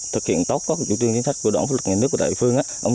thực hiện tốt các chủ tương chính sách của đảng pháp luật nhân nước của đại phương